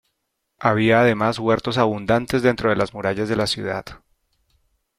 Había además huertos abundantes dentro de las murallas de la ciudad.